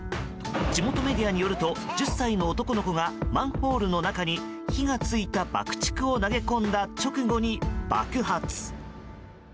地元メディアによると１０歳の男の子がマンホールの中に火が付いた爆竹を投げ込んだ直後に爆発。